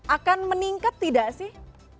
akan meningkat tidak sih